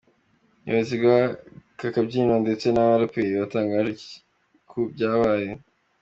Ubuyobozi bw’ aka kabyiniro ndetse n’aba baraperi batangaje iki ku byabaye?.